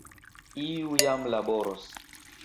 Iu jam laboros!